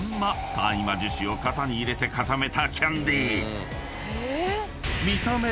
大麻樹脂を型に入れて固めたキャンディ］